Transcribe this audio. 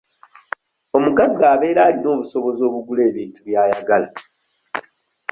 Omugagga abeera alina obusobozi obugula ebintu by'ayagala.